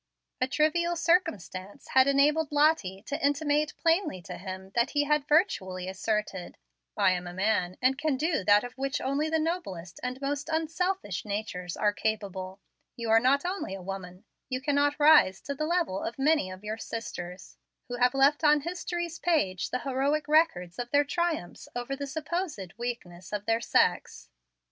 A trivial circumstance had enabled Lottie to intimate plainly to him that he had virtually asserted, "I am a man, and can do that of which only the noblest and most unselfish natures are capable. You are not only a woman, but you cannot rise to the level of many of your sisters, who have left on history's page the heroic record of their triumphs over the supposed weakness of their sex."